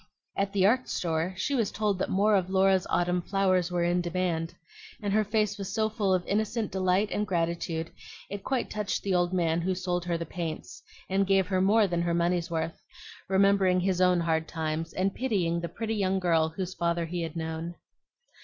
At the art store she was told that more of Laura's autumn flowers were in demand; and her face was so full of innocent delight and gratitude it quite touched the old man who sold her the paints, and gave her more than her money's worth, remembering his own hard times and pitying the pretty young girl whose father he had known.